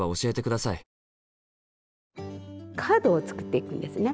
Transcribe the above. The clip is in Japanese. カードを作っていくんですね。